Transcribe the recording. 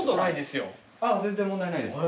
全然問題ないです。